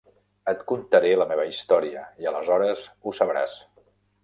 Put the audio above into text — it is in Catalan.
Et contaré la meva història i, aleshores, ho sabràs.